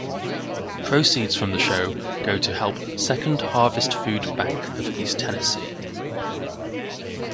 Proceeds from the show go to help Second Harvest Food Bank of East Tennessee.